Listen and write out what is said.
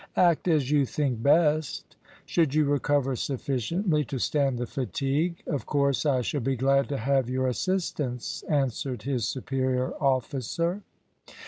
"Act as you think best. Should you recover sufficiently to stand the fatigue, of course I shall be glad to have your assistance," answered his superior officer.